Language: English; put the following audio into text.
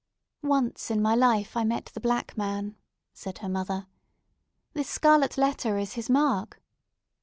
"Once in my life I met the Black Man!" said her mother. "This scarlet letter is his mark!"